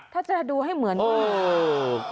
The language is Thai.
ถ้าจะดูให้เหมือนกันนะ